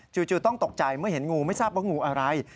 ต้องตกใจเมื่อเห็นงูไม่ทราบว่างูอะไร